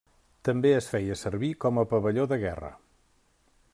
També es feia servir com a pavelló de guerra.